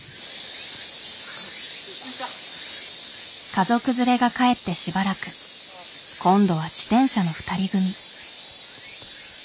家族連れが帰ってしばらく今度は自転車の２人組。